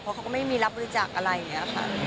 เพราะเขาก็ไม่มีรับบริจาคอะไรอย่างนี้ค่ะ